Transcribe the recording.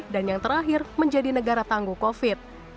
dan yang terakhir menjadi negara tangguh covid